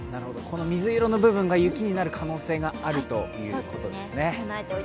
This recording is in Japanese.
水色の部分が雪になる可能性があるということですね。